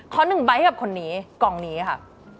ขอ๑ใบให้กับคนนี้กล่องนี้ค่ะ